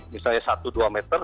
misalnya satu dua meter